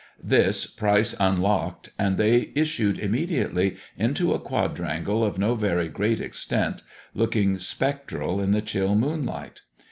This Pryce unlocked, and they issued immediately into a quadrangle of no very great extent, looking spectral in the chill moonlight.